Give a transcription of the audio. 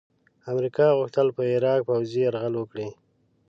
امریکا غوښتل په عراق پوځي یرغل وکړي.